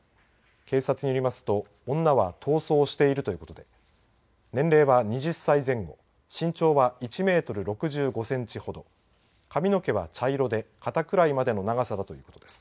警察によりますと女は逃走しているということで年齢は２０歳前後身長は１メートル６５センチほど髪の毛は茶色で肩くらいまでの長さだということです。